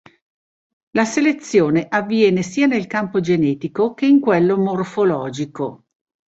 La selezione avviene sia nel campo genetico che in quello morfologico.